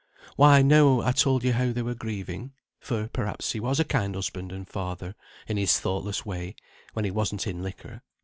Why now I told you how they were grieving; for, perhaps, he was a kind husband and father, in his thoughtless way, when he wasn't in liquor.